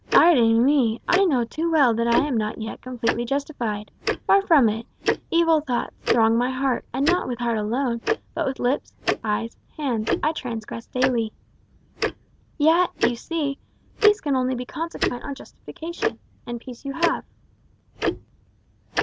"Ay de mi! I know too well that I am not yet completely justified. Far from it; evil thoughts throng my heart; and not with heart alone, but with lips, eyes, hands, I transgress daily." "Yet, you see, peace can only be consequent on justification. And peace you have."